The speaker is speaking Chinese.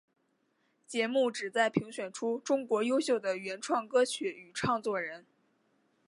节目旨在评选出中国优秀的原创歌曲与唱作人。